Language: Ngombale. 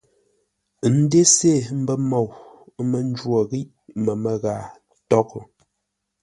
N ndese ə́ mbə́ môu, ə́ mə́ njwô ghíʼ məmə́ ghâa tôghʼ.